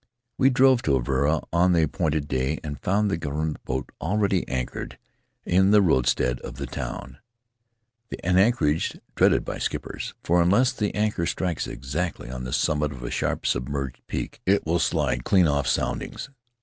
We drove to Avarua on the appointed day and found the government boat already anchored in the roadstead off the town — an anchorage dreaded by skippers, for unless the anchor strikes exactly on the summit of a sharp submerged peak, it will slide clean off soundings.